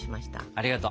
ありがとう！